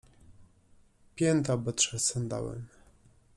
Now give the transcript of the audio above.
Piętę obetrzesz sandałem!